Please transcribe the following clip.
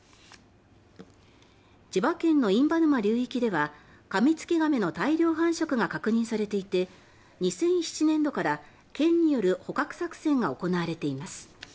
千葉県の印旛沼流域ではカミツキガメの大量繁殖が確認されていて２００７年度から県による捕獲作戦が行われています。